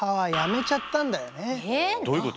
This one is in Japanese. どういうこと？